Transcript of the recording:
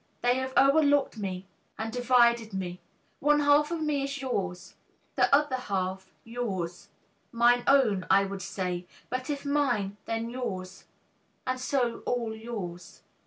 They have o'erlook'd me, and divided me; One half of me is yours, the other half yours, Mine own, I would say: but if mine, then yours, And so all yours.